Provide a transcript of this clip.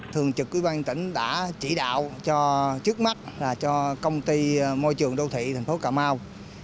thường trực quý bán tỉnh đã chỉ đạo cho trước mắt là cho công ty môi trường đô thị thành phố cà mau